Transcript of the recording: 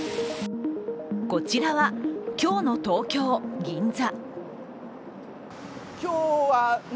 こちらは今日の東京・銀座。